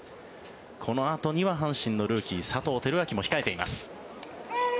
このあとには阪神のルーキー佐藤輝明も控えています。